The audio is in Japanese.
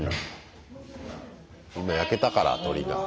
今焼けたから鶏が。